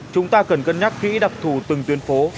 chúng ta cần cân nhắc kỹ đặc thù từng tuyến phố